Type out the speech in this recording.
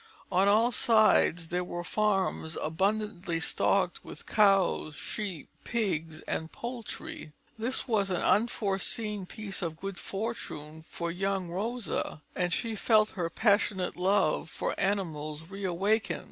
On all sides there were farms abundantly stocked with cows, sheep, pigs, and poultry. This was an unforeseen piece of good fortune for young Rosa, and she felt her passionate love for animals reawaken.